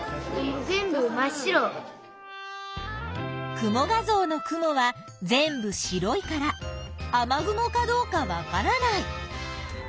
雲画像の雲は全部白いから雨雲かどうかわからない。